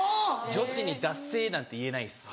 女子に「だっせ」なんて言えないです。